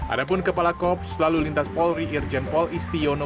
adapun kepala kop selalu lintas polri irjen pol istiono